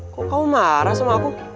kok kau marah sama aku